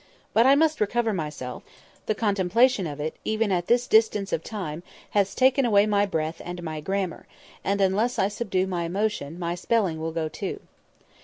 But I must recover myself; the contemplation of it, even at this distance of time, has taken away my breath and my grammar, and unless I subdue my emotion, my spelling will go too.